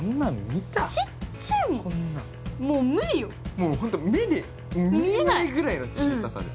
もう本当目で見えないぐらいの小ささで。